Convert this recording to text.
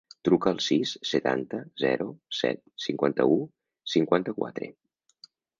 Truca al sis, setanta, zero, set, cinquanta-u, cinquanta-quatre.